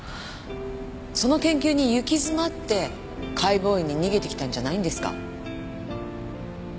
その研究に行き詰まって解剖医に逃げてきたんじゃないんですか？